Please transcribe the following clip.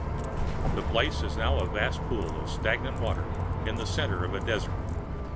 The place is now a vast pool of stagnant water in the center of a desert.